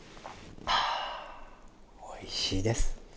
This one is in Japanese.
ああおいしいです。